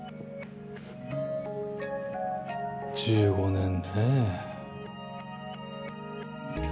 １５年ねえ。